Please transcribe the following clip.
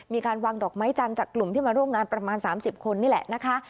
มีการวางดอกไม้จันทร์จากกลุ่มที่มาร่วมงานประมาณ๓๐คนนี่แหละนะคะ